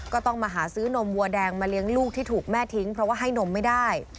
ก็ต้องมาหาซื้อนมวัวแดงมาเลี้ยงลูกที่ถูกแม่ทิ้งเพราะว่าให้นมไม่ได้